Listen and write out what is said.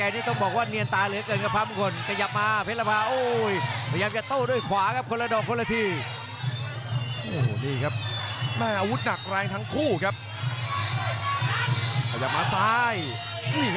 ส่วนด้วยขวาอีกที